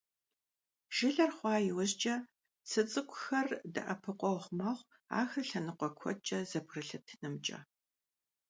Жылэр хъуа иужькӀэ цы цӀыкӀухэр дэӀэпыкъуэгъу мэхъу ахэр лъэныкъуэ куэдкӀэ зэбгрылъэтынымкӀэ.